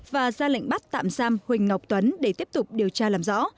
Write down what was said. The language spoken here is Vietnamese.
và ra lệnh bắt tạm giam huỳnh ngọc tuấn để tiếp tục điều tra làm rõ